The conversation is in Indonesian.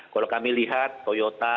kalau kami lihat toyota